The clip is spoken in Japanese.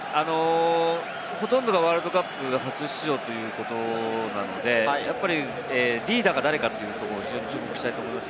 ほとんどがワールドカップ初出場ということなのでリーダーが誰かというところを注目したいです。